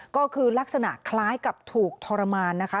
ก็คือลักษณะคล้ายกับถูกทรมานนะคะ